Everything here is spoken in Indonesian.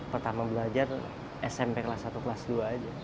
pertama belajar smp kelas satu kelas dua aja